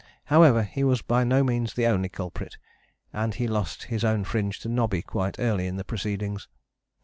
However, he was by no means the only culprit, and he lost his own fringe to Nobby quite early in the proceedings.